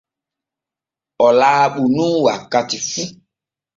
O laaɓu nun wakkati fu.